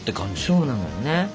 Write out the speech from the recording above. そうなのよね。